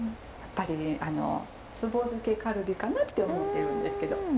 やっぱりあの壺漬けカルビかなって思ってるんですけど。